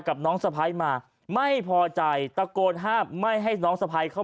กับน้องสะพ้ายมาไม่พอใจตะโกนห้ามไม่ให้น้องสะพ้ายเข้า